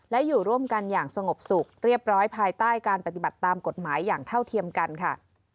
และอยู่ร่วมกันอย่างสงบสุขเรียบร้อยภายใต้การปฏิบัติตามกฎหมายอย่างเท่าเทียมกันค่ะ